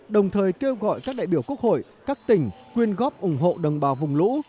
đồng thời kêu gọi các đại biểu quốc hội các tỉnh quyên góp ủng hộ đồng bào vùng lũ